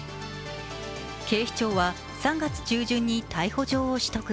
警視庁は３月中旬に逮捕状を取得。